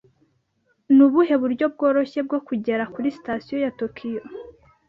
Nubuhe buryo bworoshye bwo kugera kuri Sitasiyo ya Tokiyo?